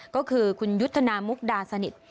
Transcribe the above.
ก็คือคุณยุทธนามุกดาสนิท